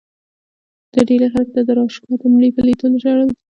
د ډیلي خلکو د داراشکوه د مړي په لیدو ژړل.